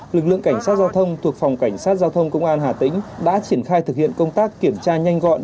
lực lượng cảnh sát giao thông thuộc phòng cảnh sát giao thông công an hà tĩnh đã triển khai thực hiện công tác kiểm tra nhanh gọn